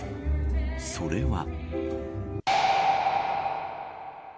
それは。